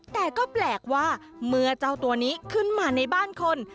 แต่ก็แปลกว่าเมื่อเจ้าตัวนี้ขึ้นมาในบ้านคน